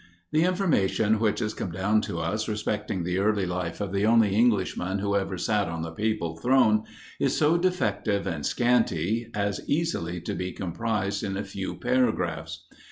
THE information, which has come down to us respecting the early life of the only Englishman, who ever sat on the papal throne, is so defective and scanty, as easily to be comprised in a few paragraphs.